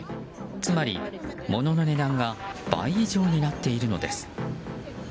つまり、物の値段が倍以上になっているのです。